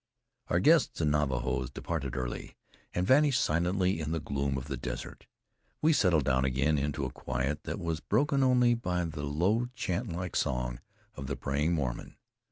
Our guests, the Navajos, departed early, and vanished silently in the gloom of the desert. We settled down again into a quiet that was broken only by the low chant like song of a praying Mormon.